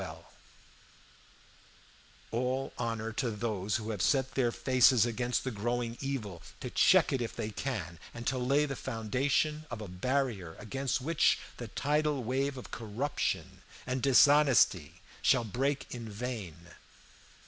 "All honor to those who have set their faces against the growing evil, to check it if they can, and to lay the foundation of a barrier against which the tidal wave of corruption and dishonesty shall break in vain.